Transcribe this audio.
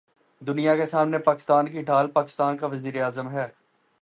دنیا کے سامنے پاکستان کی ڈھال پاکستان کا وزیراعظم ہے۔